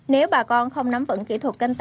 nếu bà con không nắm vững kỹ thuật canh tác